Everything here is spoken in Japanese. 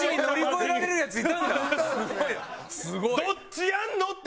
どっちやんの？って！